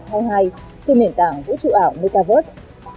trên nền tảng vũ trụ ảo metaverse